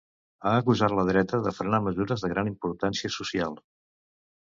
Ha acusat la dreta de frenar mesures de gran importància social.